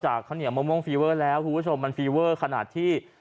ข้าวเหนียวมะม่วงฟีเวอร์แล้วคุณผู้ชมมันฟีเวอร์ขนาดที่